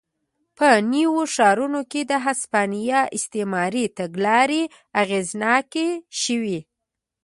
په نویو ښارونو کې د هسپانیا استعماري تګلارې اغېزناکې شوې.